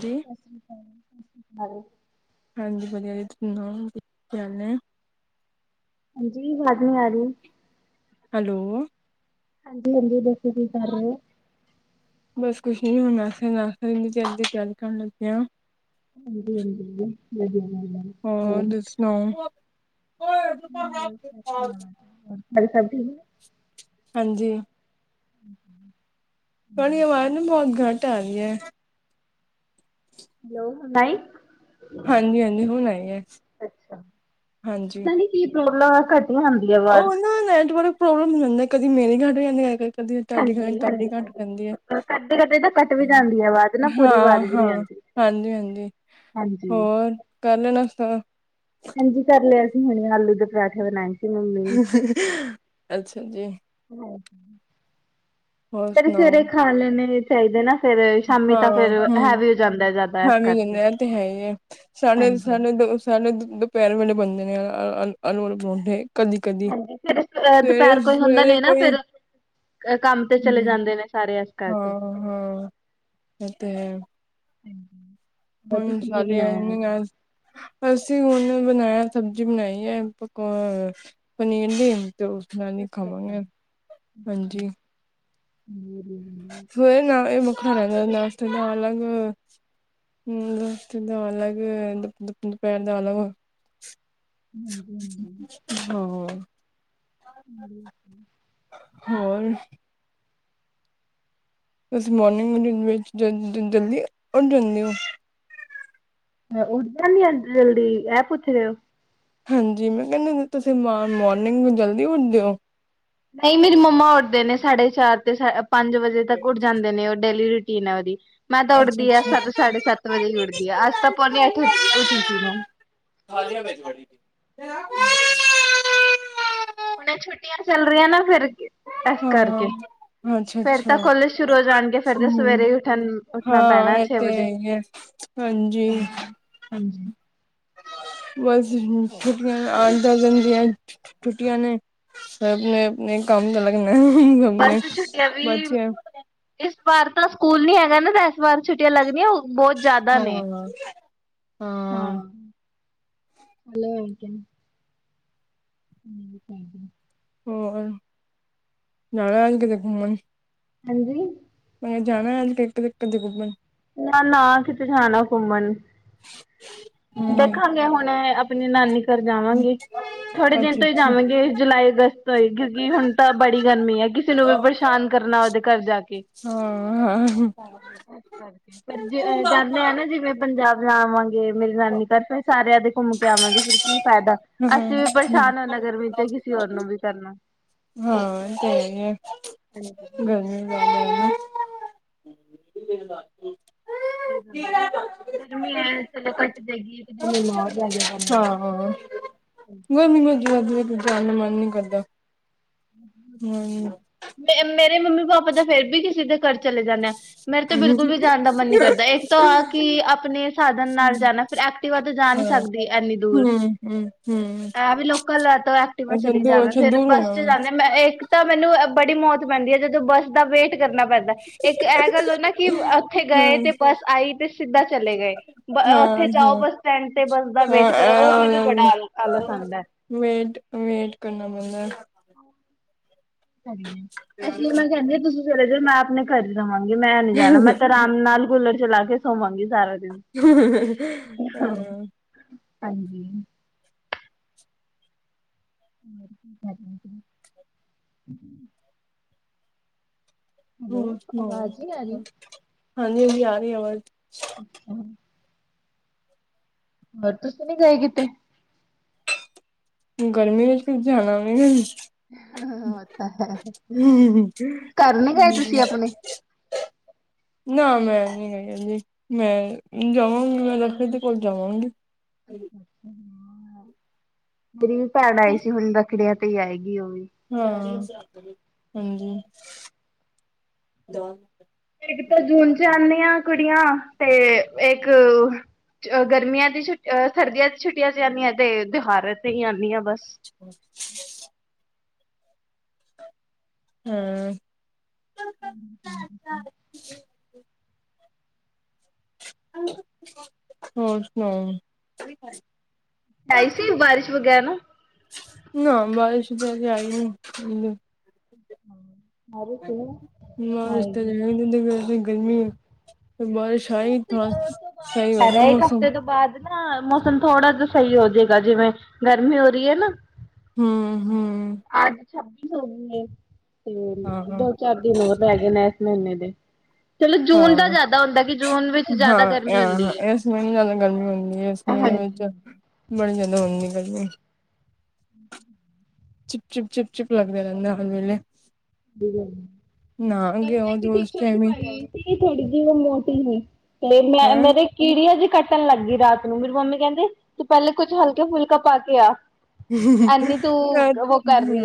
ਜੀ ਸ੍ਰੀ ਅਕਾਲ ਜੀ, ਹੇਲੋ। ਹਾਂਜੀ, ਵਧੀਆ ਜੀ, ਤੁਸੀ ਸੁਣਾਓ, ਕੀ ਹਾਲ ਐ। ਹਾਂਜੀ। ਵਾਜ ਨੀ ਆ ਰਹੀ। ਹੈਲੋ। ਹਾਂਜੀ- ਹਾਂਜੀ, ਦੱਸੋ ਕੀ ਕਰ ਰਹੇ ਹੋ? ਬਸ ਕੁੱਛ ਨੀ। ਹੁਣ ਅਸੀਂ ਨਾਸ਼ਤਾ ਜੀ ਤਿਆਰੀ ਡਨ ਕਰਣ ਲੱਗੇ ਹਾਂ। ਹਾਂਜੀ- ਹਾਂਜੀ। ਲ ਹੋਰ, ਤੁਸੀ ਸੁਣਾਓ? ਹਾਂ, ਜੀ ਸਭ ਠੀਕ ਨੇ? ਹਾਂਜੀ। [unintelligible] ਤੁਹਾਡੀ ਆਵਾਜ਼ ਨਾ ਬਹੁਤ ਘੱਟ ਆ ਰਈ ਹੈ ਹੈਲੋ ਹੁਣ ਆਈ ਹਾਂਜੀ ਹਾਂਜੀ ਹੁਣ ਆਈ ਹੈ ਹਾਂਜੀ ਪਹਿਲਾਂ ਘੱਟ ਹੀ ਆਂਦੀ ਹੈ ਉਹ ਆਵਾਜ ਨਾ ਨੈਟਵਰਕ ਪ੍ਰੋਬਲਮ ਹੀਂ ਹੁੰਦਾ ਕਦੀ ਮੇਰੇ ਘੱਟ ਜਾਂਦੀ ਹੈ ਕ ਕਦੀ ਤੁਹਾਡੀ [unintelligible] ਵੇ ਹਾਂਜੀ ਤੁਹਾਡੀ ਹਾਂਜੀ ਘੱਟ ਹਾਂਜੀ। ਪੈਂਦੀ ਹੈ ਕਦੇ ਕਦੇ ਤਾਂ ਕੱਟ ਵੀ ਜਾਂਦੀ ਆ ਆਵਾਜ਼ ਨਾ ਪੂਰੀ ਹਾਂ ਆਵਾਜ਼ ਵੀ ਨੀ ਹਾਂ ਆਂਦੀ। ਹਾਂਜੀ ਹਾਂਜੀ ਹਾਂਜੀ। ਹੋਰ ਕਰ ਲਿਆ ਨਾਸ਼ਤਾ ਹਾਂਜੀ ਕਰ ਲਿਆ ਜੀ ਹੁਣੇ ਆਲੂ ਦੇ ਪਰਾਂਠੇ ਬਣਾਏ ਸੀ ਮੰਮੀ ਨੇ। ਹੰ ਹੰ ਹੰ ਅੱਛਾ ਜੀ ਹਾਂਜੀ। ਹੋਰ ਸਵੇਰੇ ਸੁਣਾਓ ਸਵੇਰੇ ਖਾ ਲੈਣੇ ਚਾਹੀਦੇ ਨਾ ਫੇਰ ਸ਼ਾਮੀ ਤਾਂ ਹਾਂ ਫੇਰ ਹਮ ਹੈਵੀ ਹੋ ਜਾਂਦਾ ਜ਼ਿਆਦਾ ਇਸ ਹਾਂਜੀ ਹਾਂਜੀ ਕਰਕੇ ਇਹ ਤੇ ਹੈ ਹੀ ਹੈ ਸਾਡੇ ਹਾਂਜੀ ਸਾਡੇ ਸਾਡੇ ਦੁਪ ਦੁਪਹਿਰ ਵੇਲੇ ਬਣਦੇ ਨੇ ਆਲੂ ਆਲੂ ਵਾਲੇ ਪਰੋਂਠੇ ਕਦੀ ਕਦੀ ਹਾਂਜੀ ਫੇਰ ਸਵੇਰੇ ਸਵੇਰੇ ਕੋਈ ਅ ਕੰਮ ਤੇ ਚਲੇ ਹਮ ਜਾਂਦੇ ਨੇ ਸਾਰੇ ਅਜ ਕਲ ਹਾਂ ਹਾਂ ਇਹ ਤੇ ਹੈ ਹੁਣ ਸਾਰੇ ਹਾਂਜੀ [unintelligible] ਅਸੀਂ ਹੁਣ ਬਣਾਇਆ। ਸਬਜ਼ੀ ਬਣਾਈ ਹੈ। ਅ ਪਕੋ ਪਨੀਰ ਦੀ। ਤੇ, ਉਸ ਨਾਲ ਹੀ ਖਾਵਾਂਗੇ। ਹਾਂਜੀ। [unintelligible] ਹੋਏ ਨਾ ਇਹ ਭੁਖਾ ਰਹਿੰਦੈ ਨਾਸ਼ਤੇ ਤੋਂ ਅਲਗ ਹੁਣ ਨਾਸ਼ਤੇ ਦਾ ਅਲੱਗ ਦੁਪਹਿਰ ਦਾ ਅਲੱਗ ਹਾਂਜੀ ਹਾਂਜੀ ਹਾਂ ਹਮ ਹੋਰ ਤੁਸੀਂ ਮੋਰਨਿੰਗ ਵਿੱਚ ਜਲਦੀ ਉੱਠ ਜਾਂਦੇ ਹੋ ਉੱਠ ਜਾਨੀ ਆ ਜਲਦੀ, ਐ ਪੁੱਛ ਰੇ ਓ? ਹਾਂਜੀ, ਮੈਂ ਕੇਨੀ [unintelligible] ਤੁਸੀਂ ਮ ਮੋਰਨਿੰਗ ਨੂ ਜਲਦੀ ਉੱਠਦੇ ਹੋ? ਨਹੀਂ, ਮੇਰੀ ਮੰਮਾ ਉੱਠਦੇ ਨੇ ਸਾਢੇ ਚਾਰ ਤੇ ਸ ਪੰਜ ਵਜੇ ਤੱਕ ਉੱਠ ਜਾਂਦੇ ਨੇ ਓ ਡੇਲੀ [unintelligible] ਮੈਂ ਤਾਂ ਅੱਛਾ ਉੱਠਦੀ ਆ ਅੱਛਾ ਸੱਤ ਸਾਢੇ ਸੱਤ ਵਜੇ ਹੀ ਉੱਠਦੀ ਆ, ਅੱਜ ਤਾਂ ਪੌਨੇ ਆਠ ਉੱਠ ਗੀ ਮੈਂ। [unintelligible] ਹੁਨ ਏ ਛੁੱਟੀਆਂ ਚਲ ਰਈਆਂ ਨਾ ਫੇਰ, ਇਸ ਕਰਕੇ। ਹਾਂ ਅੱਛਾ ਫੇਰ ਤਾ ਅੱਛਾ ਕੋਲੇਜ ਸ਼ੁਰੂ ਹੋ ਜਾਨਗੇ, ਫੇਰ ਤੇ ਹਮ ਸਵੇਰੇ ਈ ਉੱਠਨ ਉੱਠਨਾ ਹਾਂ ਪੈਣਾ ਇਹ ਛੇ ਤੇ ਹੈ ਵਜੇ। ਹੀ ਹੈ ਹਾਂਜੀ। ਹਾਂਜੀ। ਬਸ ਛੁੱਟੀਆਂ [unintelligible] ਛੁੱਟੀਆਂ ਨੇ ਅਪਨੇ- ਅਪਨੇ ਕੰਮ [unintelligible] ਵੈਸੇ ਛੁੱਟੀਆਂ ਵੀ [unintelligible] ਇਸ ਵਾਰ ਤਾ ਸਕੂਲ ਨੀ ਹੈਗਾ ਨਾ, ਤੇ ਏਸ ਵਾਰ ਛੁੱਟੀਆਂ ਲੱਗਦੀਆਂ ਓ ਬਹੁਤ ਜਾਦਾ ਨੇ। ਹਾਂ ਹਾਂ। [unintelligible] [inaudible] ਹੋਰ ਜਾਨਾ ਏ ਕਿਤੇ ਘੁੰਮਨ? ਹਾਂਜੀ। ਮੈਂ ਜਾਣਾ ਅਗੇ [unintelligible] ਘੁੰੱਮਨ। ਨਾ, ਨਾ ਕਿਥੇ ਜਾਨਾ ਘੁੰਮਨ, ਹਮ ਦੇਖਾਂਗੇ ਹੁਣੇ- ਆਪਨੇ ਨਾਨੀ ਘਰ ਜਾਵਾਂਗੇ। ਥੋੜੇ ਦਿਨ ਅੱਛਾ ਤੋਂ ਹੀ ਅੱਛਾ ਜਾਵਾਂਗੇ, ਜੁਲਾਈ-ਅਗਸਤ ਤੋਂ ਹੀ, ਕਿਉਂਕਿ ਹੁਣ ਤਾਂ ਬੜੀ ਗਰਮੀ ਏ ਕਿਸੇ ਨੂੰ ਵੀ ਪਰਸ਼ਾਨ ਕਰਨਾ ਓਦੇ ਹਾਂ। [unintelligible] ਜਾਂਦੇ ਆ ਨਾ ਜਿਵੇਂ ਪੰਜਾਬ ਜਾਵਾਂਗੇ ਮੇਰੀ ਨਾਨੀ ਘਰ ਫੇਰ ਸਾਰਿਆਂ ਤੇ ਘੁੰਮ ਕੇ ਆਵਾਂਗੇ, ਫਿਰ ਕੀ ਫੇਦਾ, ਅਸੀਂ ਵੀ ਹਾਂ ਪਰਸ਼ਾਨ ਹੋਨੇ ਆ ਗਰਮੀ ਚ ਕਿਸੀ ਹੋਰ ਨੂੰ ਵੀ ਕਰਨਾ। ਹਾਂ ਹਾਂਜੀ ਸਹੀ [unintelligible] [inaudible] ਕੋਈ ਗਾਲ ਨਾ ਨੀ, ਗਰਮੀ ਐ ਚਲੋ ਘੱਟ ਜੇਗੀ, ਇੱਕ ਦੋ ਮੀਨਾ ਹੋਰ ਰੇ ਗਿਆ ਗਰਮੀ ਹਾਂ [unintelligible] ਜਾਨ ਨੂੰ ਮਾਨ ਨੀ ਕਰਦਾ। ਹਮ ਮੇ-ਮੇਰੇ ਮੰਮੀ ਪਾਪਾ ਤਾ ਫੇਰ ਵੀ ਕਿਸੇ ਦੇ ਘਰ ਚਲੇ ਜਾਨੇ ਆ, ਮੇਰਾ ਤੇ ਬਿਲਕੁਲ ਵੀ ਜਾਨ ਦਾ ਮਨ ਨੀ ਕਰਦਾ, ਇੱਕ ਤੋ ਆ ਕਿ ਅਪਨੇ ਸਾਧਨ ਨਾਲ ਹਾਂ ਜਾਨਾ ਫਿਰ ਐਕਟੀਵਾ ਤੇ ਜਾ ਨੀ ਹਮ ਸਕਦੀ ਐਨੀ ਦੂਰ ਹਮ ਹਮ ਏ ਵੀ ਲੋਕਲ ਏ ਤਾਂ ਐਕਟੀਵਾ ਅੱਛਾ ਚਲੀ ਦੂਰ ਜਾਵੇ, ਅੱਛਾ ਫੇਰ ਦੂਰ ਬੱਸ ਹੋਣਾ ਚ ਜਾਨੇ ਮੈ, ਇੱਕ ਤਾਂ ਮੈਨੂੰ ਬੜੀ ਮੌਤ ਪੈਂਦੀ ਏ ਜਦ ਬੱਸ ਦਾ ਵੇਟ ਕਰਨਾ ਪੈਂਦਾ, ਇੱਕ ਏ ਗੱਲ ਹੋਏ ਨਾ ਕਿ ਉੱਥੇ ਗਏ, ਹਮ ਤੇ ਬੱਸ ਆਈ, ਤੇ ਸਿੱਧਾ ਚਲੇ ਗੇ। ਅ ਓਥੇ ਜਾਓ ਹਾਂ-ਹਾਂ, ਬੱਸ ਸਟੈਂਡ ਤੇ, ਬੱਸ ਦਾ ਵੇਟ ਕਰੋ ਔ ਮੈਨੂੰ ਬੜਾ ਆਲ-ਆਲਸ ਆਂਦਾ। ਵੇਟ, ਵੇਟ ਕਰਨਾ ਪੈਂਦਾ [unintelligible] ਇਸ ਲਈ ਮੈਂ ਕੈਨੀ ਆ ਤੁਸੀਂ ਚਲੇ ਜੋ, ਮੈਂ ਅਪਨੇ ਘਰ ਹੀ ਰਵਾ ਮੈਂ ਨੀ ਜਾਣਾ। ਮੈਂ ਤਾ ਅਰਾਮ ਨਾਲ ਕੂਲਰ ਚਲਾ ਕੇ ਸੋਵਾਂਗੀ। ਸਾਰਾ ਦਿਨ [inaudible] ਹਾਂਜੀ। [inaudible] [inaudible] ਹੈਲੋ ਆਵਾਜ਼ ਨੀ ਆ ਰਹੀ ਹਾਂਜੀ [unintelligible] ਆ ਰਹੀ ਅਵਾਜ [unintelligible] ਹੋਰ, ਤੁਸੀ ਨੀ ਗਏ ਕਿਤੇ? ਗਰਮੀ ਵਿੱਚ ਜਾਣਾ ਵੀ [inaudible] [inaudible] ਹੈ, ਘਰ ਨੀ ਗਾਏ ਤੁਸੀਂ ਅਪਣੇ? [inaudible] ਨਾ ਮੈਂ ਨੀ ਕਦੀ ਮੈਂ ਜਾਵਾਂਗੀ ਮੈਂ ਫ [unintelligible] ਕੋਲ ਜਾਵਾਂਗੀ। [unintelligible] ਮੇਰੀ ਵੀ ਭੈਣ ਆਈ ਸੀ ਹੁਣ ਰੱਖੜੀਆਂ ਤੇ ਈ ਆਏ ਹਾਂ ਹਾਂਜੀ। ਇੱਕ ਤਾਂ ਜੂਨ ਚ ਆਂਨੇ ਆ ਕੁੜੀਆਂ ਤੇ ਇੱਕ ਗਰਮੀਆਂ ਦੀ ਛੁੱ ਅਹ ਸਰਦੀਆਂ ਦੀ ਛੁੱਟੀਆਂ ਚ ਆਂਨੀਆਂ ਤੇ ਤਿਉਹਾਰ ਤੇ ਹੀ ਅਨੀਆ ਬਸ ਹੂੰ, [unintelligible] ਹੋਰ ਸੁਣਾਓ? ਆਈ ਸੀ ਬਾਰਿਸ਼ ਵਗੈ ਨਾ ਨਾ ਬਾਰਿਸ਼ ਤਾਂ ਅਜੇ ਆਈ ਨੀ, ਬਾਰਿਸ਼ ਮਾਰਚ ਚ ਤਾਂ [unintelligible] ਗਰਮੀ ਏ, ਇੱਕ ਹਫ਼ਤੇ ਤੋਂ ਬਾਦ [unintelligible] ਇੱਕ ਹਫ਼ਤੇ ਤੋਂ ਬਾਦ, ਅਪਣਾ ਮੌਸਮ ਥੋੜਾ ਜਾ ਸਈ ਹੋਜੇਗਾ ਜਿਵੇਂ ਗਰਮੀ ਹੋ ਰੀ ਐ ਨਾ ਹੂੰ-ਹੂੰ, ਛੱਬੀ ਸੌ ਨੇ ਹਾਂ ਤੇ ਹਾਂ ਦੋ ਚਾਰ ਦਿਨ ਹੋਰ ਰੈ ਗੇ ਨੇ ਏਸ ਮੀਨੇ ਦੇ ਚਲੋ ਜੂਨ ਦਾ ਹਾਂ-ਹਾਂ ਜ਼ਿਆਦਾ ਹੁੰਦਾ ਕਿ ਜੂਨ ਵਿੱਚ ਜ਼ਿਆਦਾ ਗਰਮੀ ਹੁੰਦੀ ਆ ਹੈ ਏਸ ਮੀਨੇ ਜ਼ਿਆਦਾ ਗਰਮੀ ਹੁੰਦੀ ਐ ਏਸ ਮਹੀਨੇ ਹਾਂਜੀ, ਚ ਬੜੀ ਜਾਦਾ ਹੁੰਦੀ ਗਰਮੀ, ਚਿਪ-ਚਿਪ-ਚਿਪ-ਚਿਪ ਲੱਗਦਾ ਰੇਂਦਾ ਹਰ ਵੇਲੇ। [unintelligible] ਨਹਾ ਕਲ ਕੇ ਮੈਂ ਆਓ ਇੱਕ ਦੋ ਟੀ ਉਸ ਸ਼ਰਟ ਟਾਈਮ ਹੀ ਪਾਈ ਥੋੜ੍ਹੀ ਜੀ ਮੈਂ ਮੋਟੀ ਸੀ ਤੇ ਮੈਂ ਹੈਂ ਮੇਰੇ ਕੀੜੀਆਂ, ਕੱਟਣ ਲੱਗੀ ਰਾਤ ਨੂੰ ਮੇਰੀ ਮੰਮੀ ਕੈਂਦੇ ਤੂੰ ਪੇਲੇ ਕੁੱਛ ਹਲਕਾ ਫੁਲਕਾ ਪਾ ਕੇ ਆ। ਐਨੀ ਤੂੰ ਉਹ ਕਰ ਰਹੀ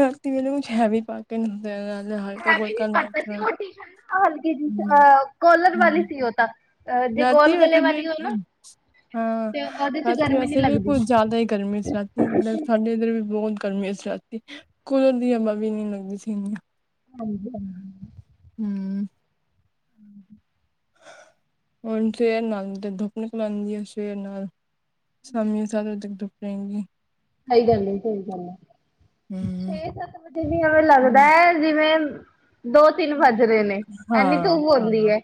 ਰਾਤੀ ਵੇਲੇ ਕੁੱਛ ਹੈਵੀ ਪਾ ਕੇ ਨਹੀ ਪੈਣਾ ਮੈਂ ਵੀ ਨੀ ਪਤਾ ਸੀ ਓ ਟੀਸ਼ਰਟ ਹਲਕੀ ਜੀ ਹੂੰ ਹਾ, ਕਲਰ ਵਾਲੀ ਸੀ ਓਤਾਂ [inaudible] ਹਾਂ ਰਾਤੀ ਵੈਸੇ ਵੀ ਕੁਝ ਜਾਦਾ ਈ ਗਰਮੀ ਸੀ ਰਾਤੀ ਸਾਡੇ ਇੱਧਰ ਵੀ ਬੋਤ ਗਰਮੀਆਂ ਸੀ ਰਾਤੀ ਕੁਲਰ ਦੀ ਹਵਾ ਵੀ ਨੀ ਲੱਗਦੀ ਸੀ ਇੰਨੀ ਹਾਂਜੀ ਹਾਂਜੀ ਹੂੰ ਹੁਣ ਸਵੇਰ ਨਾਲ ਤੇ ਦੁਪ ਨਿਕਲ ਆਂਦੀ ਆ ਸਵੇਰ ਨਾਲ ਸ਼ਾਮੀ ਸਤ ਵਜੇ ਤਕ ਦੁਪ ਰਏਗੀ। ਸਈ ਗੱਲ ਏ ਸਈ ਗੱਲ ਐ ਹੂੰ ਛੇ ਸੱਤ ਵਜੇ ਵੀ ਐ ਲੱਗਦਾ ਜਿਵੇਂ ਦੋ ਤਿੰਨ ਵੱਜ ਰਹੇ ਨੇ ਐਨੀ ਹਾਂ ਧੂਪ ਹੁੰਦੀ ਹਾ ਹੈ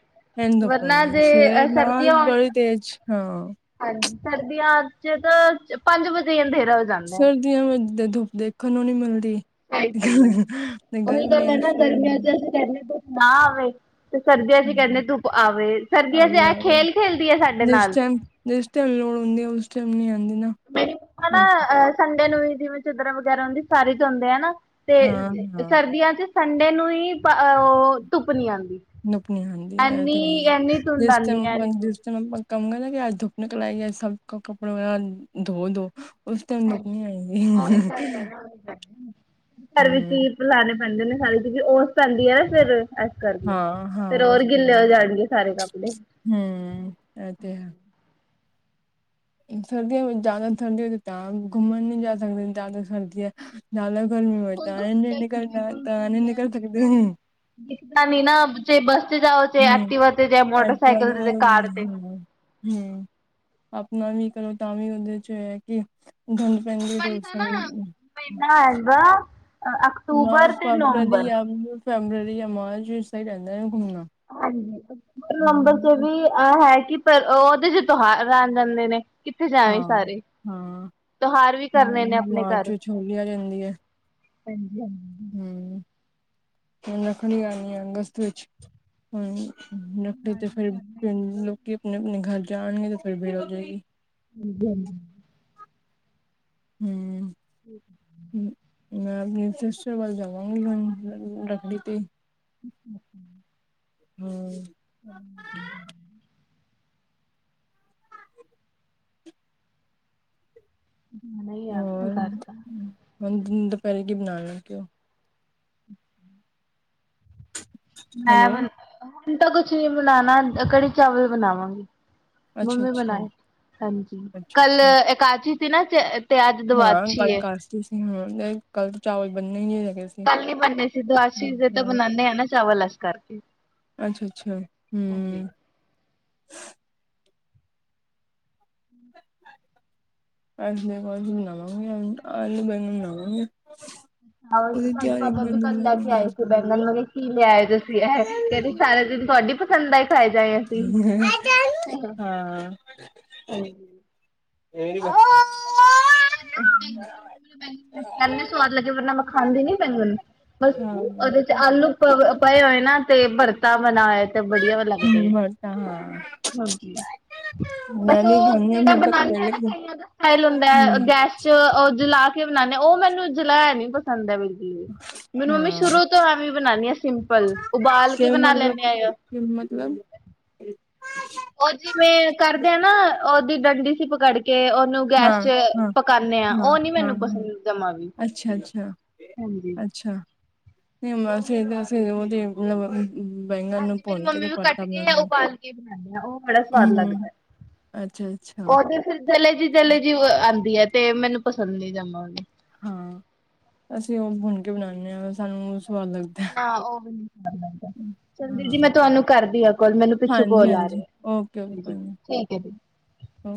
ਵਰਨਾ ਜੇ [inaudible] ਨਾਲ ਬੜੀ ਤੇਜ ਹਾਂ ਹਾਂਜੀ ਸਰਦੀਆਂ ਚ ਤਾਂ ਪੰਜ ਵਜੇ ਹੀ ਅੰਧੇਰਾ ਹੋ ਜਾਂਦਾ ਹੈ ਸਰਦੀਆਂ ਵਿਚ ਤੇ ਧੁੱਪ ਦੇਖਣ ਨੂੰ ਨੀ ਮਿਲਦੀ ਸਈ ਗੱਲ ਐ ਤੇ ਓਹੀ ਗਲ ਐ ਗਰਮੀਆਂ ਚ ਨਾ ਸਵੇਰ ਗਰਮੀਆਂ ਚ ਨੂੰ ਅਸੀ ਕੇਨੇ ਆ ਧੁੱਪ ਨਾ ਆਵੇ ਤੇ ਸਰਦੀਆਂ ਚ ਕੈਨੇ ਆ ਹਾਂ ਧੁੱਪ ਆਵੇ ਆ ਸਰਦੀਆਂ ਵੀ ਚ ਐ ਆ ਗਿਆ। ਖੇਲ ਖੇਲਦੀ ਐ ਸਾਡੇ ਜਿਸ ਨਾਲ ਟਾਈਮ ਜਿਸ ਟਾਈਮ ਲੋੜ ਹੁੰਦੀ ਐ ਉਸ ਟੈਮ ਨੀ ਆਂਦੀ ਮੇਰੀ ਮਮਾ ਨਾ ਅ ਸੰਡੇ ਨੂੰ ਵੀ ਜਿਵੇਂ ਚਾਦਰਾਂ ਵਗੈਰਾ ਹੁੰਦੀ ਸਾਰੀ ਤੋਂਦੇ ਐ ਨਾ ਤੇ ਸਰਦੀਆਂ ਚ ਸੰਡੇ ਨੂੰ ਈ ਪ ਔ ਧੁੱਪ ਨੀ ਆਂਦੀ, ਨੁਪਣੀ ਹਾਂਦੀ ਐ ਤੇ ਹੈ ਈ ਧੁੰਦ ਜਿਸ ਆਉਂਦੀ ਟੈਮ ਹੈ ਆਪਾ ਐਨੀ ਧੁੰਦ ਜਿਸ ਟੈਮ ਆਪਾ [unintelligible] ਨਾ ਕਿ ਆਜ ਧੁੱਪ ਨਿਕਲ ਆਏ ਗੀ ਅੱਜ ਸਭ ਕਪੜੇ ਵਗੈਰਾ ਧੋ ਦੋ ਉਸ ਟਾਈਮ ਧੁੱਪ ਨੀ ਆਏਗੀ ਘਰ ਵਿੱਚ ਹੀ ਪਿਲਾਣੇ ਪੈਂਦੇ ਨੇ ਸਾਰੇ ਕਿਉਂਕਿ ਓਸ ਪੈਂਂਦੀ ਐ ਨਾ ਫਿਰ ਕਰ ਲਏ [unintelligible] ਫੇਰ ਹੋਰ ਗਿੱਲੇ ਹੋ ਜਾਣਗੇ ਸਾਰੇ ਕੱਪੜੇ ਹੂੰ ਐ ਤੇ ਹੈ ਸਰਦੀਆਂ ਵਿਚ ਜਾਦਾ ਠੰਡ ਤੇ ਤਾਂ ਘੁੰਮਣ ਨੀ ਜਾ ਸਕਦੇ ਜਾਦੇ ਸਰਦੀ ਐ ਨਾਲ ਗਰਮੀ ਹੋਏ ਤਾਂ ਐਂਜ ਨੀ ਨਿਕਲ ਨਾਲ ਤਾਂ ਨੀ ਨਿਕਲ ਸਕਦੇ। ਨੀ ਨਾ ਜੇ ਬੱਸ ਚ ਜਾਓ ਚਾਹੇ ਹਮ ਐਕਟੀਵਾ ਤੇ ਚਾਹੇ ਇਹਜ ਮੋਟਰਸਾਈਕਲ ਹ ਤੇ ਕਾਰ ਤੇ ਹਮ! ਆਪਣਾ ਵੀ ਕਰੋ ਤਾਂ ਵੀ ਉਹਦੇ ਚ ਇਹ ਹੈ ਕਿ, ਗੰਡ ਪੈਂਦੀ ਦੱਸਾਂਗੀ ਮਹੀਨਾ [unintelligible] ਹੈਗਾ ਮੈਂ ਅਕਤੂਬਰ ਤੇ ਫੇਬਰਰੀ ਨਵੰਬਰ ਜਾਂ ਫੇਬਰਰੀ ਜਾਂ ਮਾਰਚ ਸਹੀ ਰਹਿੰਦਾ ਆ। ਹਾਂਜੀ ਨੰਬਰ ਤੇ ਹੂੰ, ਵੀ ਅਹ ਹੈ। ਪਰ ਉਹ ਉਹਦੇ ਚ ਤਿਉਹਾਰ ਆ ਜਾਂਦੇ ਨੇ ਕਿੱਥੇ ਜਾਵੇ ਹਾਂ। ਸਾਰੇ? ਹਾਂ, ਤਿਉਹਾਰ ਵੀ ਕਰਨੇ ਨੇ ਹਮ, ਆਪਣੇ ਮਾਰਚ ਘਰ ਵਿੱਚ ਹਜੀ ਹੰਜੀ। ਹਮ ਰਖਣੀ ਆਣੀ ਆਗਸਤ ਵਿੱਚ ਹਮ। ਨਕਲੀ ਤੇ ਫਿਰ ਲੋਕੀ ਆਪਣੇ ਆਪਣੇ ਘਰ ਜਾਣਗੇ ਤੇ ਫਿਰ ਦੇਰ ਹੋ ਜਾਏਗੀ। [unintelligible] ਹਮ। [inaudible] ਮੈਂ ਆਪਣੀ ਸਿਸਟਰ ਵੱਲ ਜਾਵਾਂਗੀ ਰੱਕੜੀ ਤੇ। ਹਮ! [inaudible] ਨਹੀਂ ਆਦਾਰ ਹੋਰ ਕਰਤਾਂ, ਹੁਣ ਦੁਪਹਿਰੇ ਕੀ ਬਣਾ ਲੱਗੇ ਉ? ਮੈਂ ਹੈਲੋ ਬ ਹੁਣ ਤਾਂ ਕੁਛ ਨੀ ਬਣਾਣਾ ਕੜੀ ਚਾਵਲ ਬਣਾਵਾਂਗੀ। ਅੱਛਾ ਮੰਮੀ ਅੱਛਾ ਬਣਾਏ ਹਾਂਜੀ ਅੱਛਾ ਕੱਲ ਅੱਛਾ ਇਕਾਚੀ ਸੀ ਨਾ। ਤੇ ਅੱਜ ਹਾਂ ਦਵਾਦਸ਼ੀ ਕੱਲ ਏ ਏਕਾਦਸੀ ਸੀ ਹੁਣ ਤੇ ਕੱਲ ਚਾਵਲ ਬੰਨੇ ਹੀ ਨਹੀਂ। ਹੈਗੇ ਸੀ ਕੱਲ ਨੀ ਬਣਨੇ ਸੀ ਦੋ ਅਸ ਚੀਜ਼ੇ ਤਾਂ ਹਾਂ ਬਣਾਉਦੇ ਹ ਨਾ ਚਾਵਲ ਇਸ ਕਰਕੇ। ਅੱਛਾ ਅੱਛਾ ਹਮ! ਬੈਂਗਣ ਆਲੂ ਬਨਵਾਗੀ ਆਲੂ ਬੈਂਗਣ ਬਣਾਵਾਂਗੇ। ਹ ਹ ਸਾਡੇ ਪਾਾਬਾ ਵੀ ਕੱਲ ਲੈ ਕੇ ਆਏ ਸੀ ਬੈਂਗਨ ਵਾਲੀ ਕੀਰ ਲਿਆ ਆਏ ਤੁਸੀ ਇਹ ਕਿੰਦੇ ਖਾਲੇ ਤੁਹਾਡੀ, ਪਸੰਦ ਦਾ ਹੀ ਖਾਏ ਜਾਏ ਅਸੀਂ ਹਾਂ ਪਰ ਕੁੱਛ ਕੁਛ ਤਾਂ ਸਵਾਲ ਲੱਗਦੇ ਨੇ ਮੈਨੂੰ [unintelligible] ਸਵਾਦ ਲੱਗੇ ਵਰਨਾ ਮੈਂ ਖਾਂਦੀ ਨੀ ਬੈਂਗਣ। ਬਸ ਉਹਦੇ ਚ ਆਲੂ ਪ ਪਏ ਹੋਏ ਨਾ ਤੇ ਭਰਤਾ। ਬਣਾਏ ਤੇ ਵਧੀਆ ਲੱਗਦੇ ਆ ਹਾਂ ਹਾਂਜੀ। ਮੈਂ ਬਸ ਵੀ ਉਹ ਖਾਣੀ ਆ ਜਿਹੜਾ ਮਤਲਬ ਬਣਾਣੇ ਆ ਪਹਿਲੇ ਨਾ ਕਈ। ਸਟਾਈਲ ਹੁੰਦਾ ਹਮ ਗੈਸ ਚ ਉਹ ਜਲਾ ਕੇ ਬਣਾਣੇ ਉਹ ਮੈਨੂੰ ਜਲਾ ਨੀ ਪਸੰਦ ਹੈ ਬਿਲ ਹੂੰ ਮੈਨੂੰ ਮੰਮੀ ਹਾਂ ਸ਼ੁਰੂ ਤੋਂ ਐਵੇਂ ਬਣਾਣੀ ਆ ਸਿੰਪਲ ਉਬਾਲ ਕੇ ਬਣਾ ਲੈਂਦੇ ਆ। [unintelligible] ਉਹ ਜਿਵੇਂ ਕਰਦੇ ਆ ਨਾ ਉਹਦੀ ਡੰਡੀ ਸੀ ਪਕੜ ਕੇ। ਕੇ ਉਹਨੂੰ ਗੈਸ ਹਾਂ ਚ ਹਾਂ ਪਕਾਨੇ ਆ ਹਾਂ ਉਹ ਨੀ ਹਾਂ ਮੈਨੂੰ ਹਾਂ ਪਸੰਦ ਜਮਾਂ ਵੀ। ਅੱਛਾ ਅੱਛਾ ਹਾਂਜੀ! ਅੱਛਾ [unintelligible] ਬੈਂਗਣ ਨੂੰ ਹਾਂਜੀ ਮੇਰੀ ਭੁੰਨ ਕੇ ਮੰਮੀ ਤੇ ਵੀ ਕੱਟ ਪਰਤਾ ਕੇ [unintelligible] ਉਬਾਲ ਕੇ ਬਣਾਉਂਦੇ ਆ ਉਹ ਬੜਾ ਸਵਾਦ ਹੂੰ ਲੱਗਦਾ। ਅੱਛਾ ਅੱਛਾ ਚਲੇ ਜੀ, ਚਲੇ ਜੀ ਆਉਂਦੀ ਹੈ ਤੇ ਮੈਨੂੰ ਪਸੰਦ ਨਹੀਂ ਜਾਵਾਂ ਉਹ। ਹਾਂ ਅਸੀਂ ਉਹ ਭੁੰਣ ਕੇ ਬਣਾਉਦੇ ਹਾਂ। ਸਾਨੂੰ ਉਹ ਸਵਾਦ ਲੱਗਦਾ ਹੈ। ਹਾਂ ਚੱਲ ਦੀਦੀ ਹਾਂ ਮੈਂ ਤੁਹਾਨੂੰ ਕਰਦੀ ਆ ਕੋਲ ਮੈਨੂੰ ਪਿੱਛੇ। ਹਾਂਜੀ ਕੋਲ ਆ ਰਹੀ ਹਾਂਜੀ ਹਾਂ ਠੀਕ ਹੈ ਜੀ। ਹੂੰ!